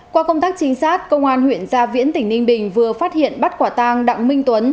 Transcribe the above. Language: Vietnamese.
qua công tác chính xác công an huyện gia viễn tỉnh ninh bình vừa phát hiện bắt quả tàng đặng minh tuấn